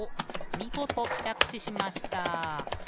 みごとちゃくちしました。